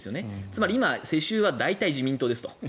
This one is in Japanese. つまり、今、世襲は大体、自民党ですと。